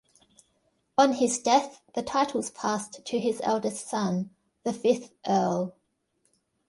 On his death the titles passed to his eldest son, the fifth Earl.